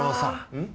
うん？